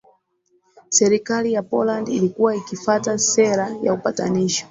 serikali ya poland ilikuwa ikifata sera ya upatanisho